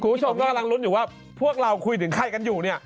คุณผู้ชมก็กำลังลุ้นอยู่ว่าพวกเราคุยถึงใครกันอยู่เนี่ย